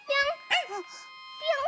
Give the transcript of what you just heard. ぴょん！